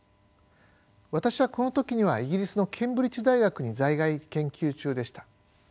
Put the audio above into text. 私はこの時にはイギリスのケンブリッジ大学に在外研究中でした。